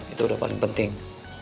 itu udah paling penting